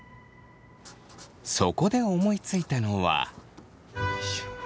そこで思いついたのは。